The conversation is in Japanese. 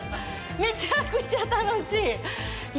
めちゃくちゃ楽しい。